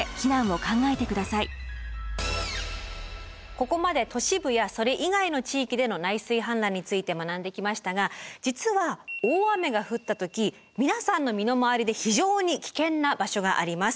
ここまで都市部やそれ以外の地域での内水氾濫について学んできましたが実は大雨が降ったとき皆さんの身の回りで非常にキケンな場所があります。